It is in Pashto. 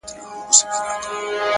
ستا د تصور تصوير كي بيا يوه اوونۍ جگړه.